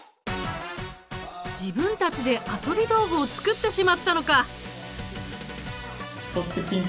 自分たちで遊び道具を作ってしまったのか！